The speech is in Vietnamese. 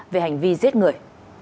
về hành vi giết người